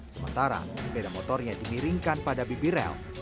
sementara sepeda motornya dimiringkan pada bibirel